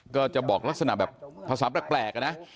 ก็จะบอกลักษณะแบบภาษาแปลกนะ